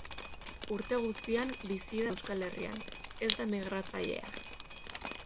Urte guztian bizi da Euskal Herrian; ez da migratzailea.